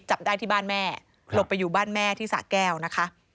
จับได้ที่บ้านแม่หลบไปอยู่บ้านแม่ที่สะแก้วนะคะ